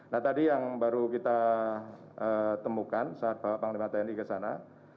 nah tadi yang baru kita temukan saat bapak panglima tni ke sana